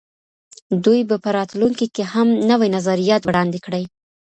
دوی به په راتلونکي کي هم نوي نظریات وړاندې کړي.